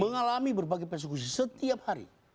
mengalami berbagai persekusi setiap hari